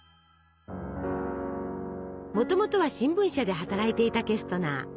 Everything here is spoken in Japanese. もともとは新聞社で働いていたケストナー。